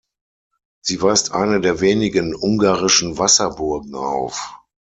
Sie weist eine der wenigen ungarischen Wasserburgen auf.